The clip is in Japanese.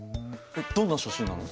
どんな写真なの？